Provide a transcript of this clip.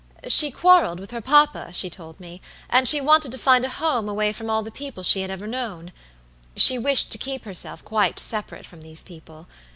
She quarreled with her papa, she told me, and she wanted to find a home away from all the people she had ever known. She wished to keep herself quite separate from these people.